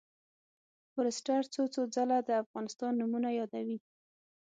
فورسټر څو څو ځله د افغانستان نومونه یادوي.